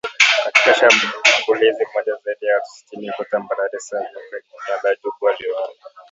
Katika shambulizi moja zaidi ya watu sitini huko Tambarare Savo kwenye eneo la Djubu waliuawa